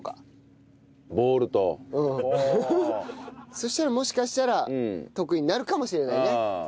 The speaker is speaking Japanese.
そしたらもしかしたら得意になるかもしれないね。